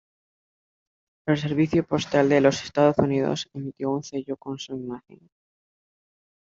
El Servicio Postal de los Estados Unidos emitió un sello con su imagen.